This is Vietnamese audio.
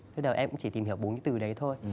lúc đầu em cũng chỉ tìm hiểu bốn cái từ đấy thôi